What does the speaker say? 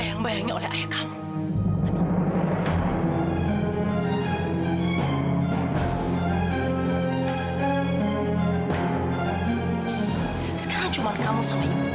kamu ingat kan mas